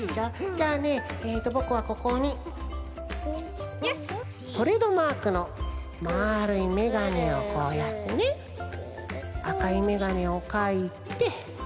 じゃあねぼくはここにトレードマークのまるいメガネをこうやってねあかいメガネをかいて。